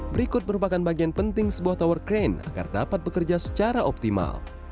berikut merupakan bagian penting sebuah tower crane agar dapat bekerja secara optimal